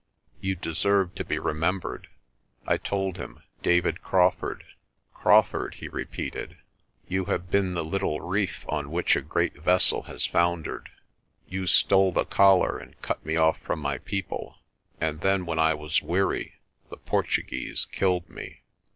You deserve to be remembered." I told him "David Crawfurd." "Crawfurd," he repeated, "you have been the little reef on which a great vessel has foundered. You stole the collar and cut me off from my people, and then when I was weary the Portuguese killed me."